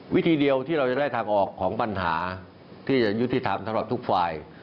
วิธีเดียวที่เราจะได้ทางออกของปัญหาที่จะยุติธรรมสำหรับทุกฝ่าย